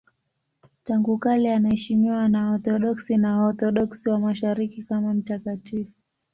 Tangu kale anaheshimiwa na Waorthodoksi na Waorthodoksi wa Mashariki kama mtakatifu.